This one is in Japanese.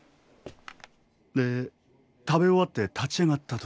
で食べ終わって立ち上がった時。